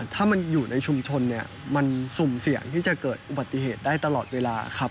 ถ้ามันอยู่ในชุมชนเนี่ยมันสุ่มเสี่ยงที่จะเกิดอุบัติเหตุได้ตลอดเวลาครับ